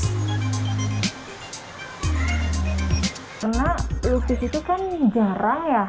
karena lupis itu kan jarang ya